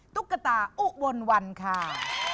ตุ๊กกะตาอุบลวัลค่า